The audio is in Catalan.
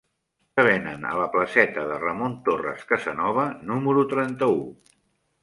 Què venen a la placeta de Ramon Torres Casanova número trenta-u?